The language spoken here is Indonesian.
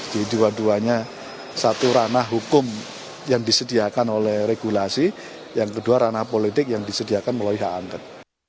jadi dua duanya satu ranah hukum yang disediakan oleh regulasi yang kedua ranah politik yang disediakan melalui hak angkat